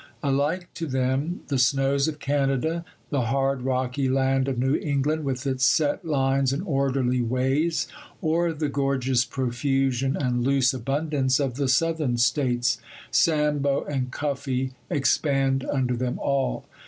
Alike to them the snows of Canada, the hard, rocky land of New England, with its set lines and orderly ways, or the gorgeous profusion and loose abundance of the Southern States. Sambo and Cuffy expand under them all.